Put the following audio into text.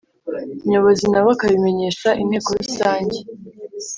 Nyobozi nawe akabimenyesha Inteko Rusange